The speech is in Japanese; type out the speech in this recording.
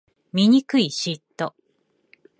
醜い嫉妬